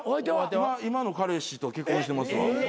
今の彼氏と結婚してますわ。